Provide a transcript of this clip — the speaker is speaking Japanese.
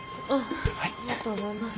ありがとうございます。